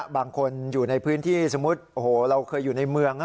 บางคนอยู่ในพื้นที่สมมุติโอ้โหเราเคยอยู่ในเมือง